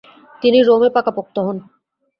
তিনি রোমে পাকাপোক্ত হন।